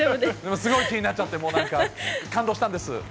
すごい気になっちゃって、なんか、感動したんです。